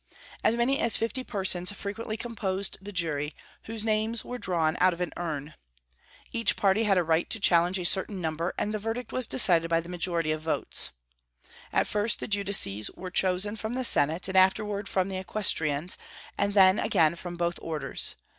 As many as fifty persons frequently composed the jury, whose names were drawn out of an urn. Each party had a right to challenge a certain number, and the verdict was decided by a majority of votes. At first the judices were chosen from the senate, and afterward from the equestrians, and then again from both orders.